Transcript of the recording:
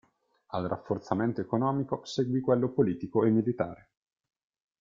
Al rafforzamento economico seguì quello politico e militare.